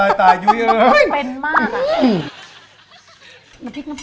อันนี้คืออันนี้คือ